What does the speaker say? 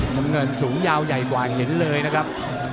น้ำเงินสูงยาวใหญ่กว่าเห็นเลยนะครับ